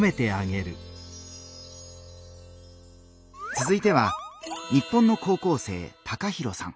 つづいては日本の高校生タカヒロさん。